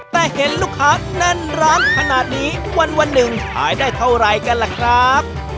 แต่เห็นลูกค้าแน่นร้านขนาดนี้วันหนึ่งขายได้เท่าไหร่กันล่ะครับ